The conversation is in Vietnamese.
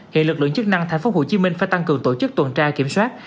hiện lực lượng chức năng tp hcm phải tăng cường tổ chức tuần tra kiểm soát